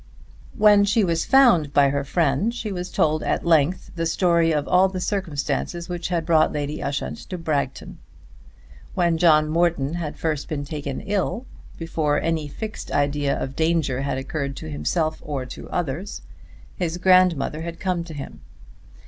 When she was found by her friend she was told at length the story of all the circumstances which had brought Lady Ushant to Bragton. When John Morton had first been taken ill, before any fixed idea of danger had occurred to himself or to others, his grandmother had come to him.